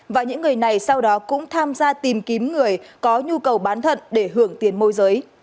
và những người này sau đó cũng tham gia tìm kiếm người có nhu cầu bán thận để hưởng tiền môi giới